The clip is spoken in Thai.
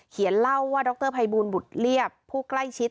เล่าว่าดรภัยบูลบุตรเรียบผู้ใกล้ชิด